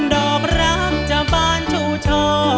ดอกรักเจ้าบ้านชูช่อ